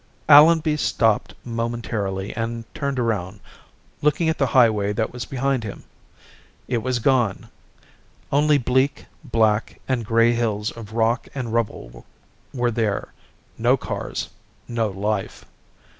Allenby stopped momentarily and turned around, looking at the highway that was behind him. It was gone. Only bleak, black and gray hills of rock and rubble were there, no cars, no life.